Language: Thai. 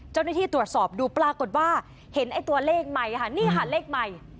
เจ้าหน้าที่ตรวจสอบดูปรากฏว่าเห็นไอ้ตัวเลขใหม่ค่ะนี่ค่ะเลขใหม่